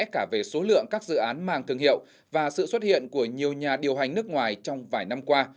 cả về số lượng các dự án mang thương hiệu và sự xuất hiện của nhiều nhà điều hành nước ngoài trong vài năm qua